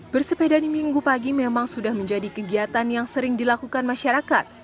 bersepeda di minggu pagi memang sudah menjadi kegiatan yang sering dilakukan masyarakat